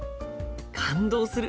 感動する。